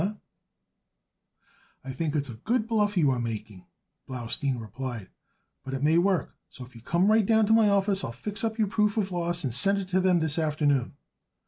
Huh?" "I think it's a good bluff you are making," Blaustein replied, "but it may work. So, if you come right down to my office I'll fix up your proof of loss and send it up to him this afternoon."